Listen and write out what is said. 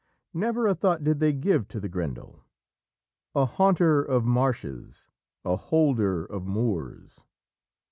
Never a thought did they give to the Grendel, "A haunter of marshes, a holder of moors